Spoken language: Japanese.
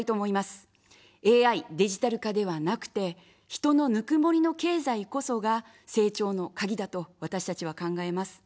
ＡＩデジタル化ではなくて、人のぬくもりの経済こそが、成長の鍵だと私たちは考えます。